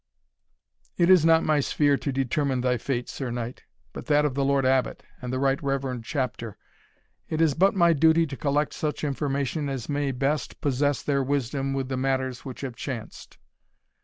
"It is not my sphere to determine thy fate, Sir Knight, but that of the Lord Abbot, and the right reverend Chapter. It is but my duty to collect such information as may best possess their wisdom with the matters which have chanced."